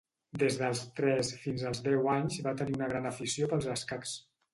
Des dels tres fins als deu anys va tenir una gran afició pels escacs.